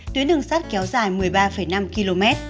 tuyến đường sắt kéo dài một mươi ba năm km